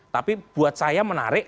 tapi buat saya menarik